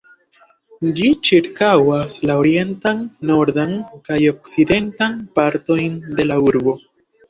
Ĝi ĉirkaŭas la orientan, nordan, kaj okcidentan partojn de la urbo.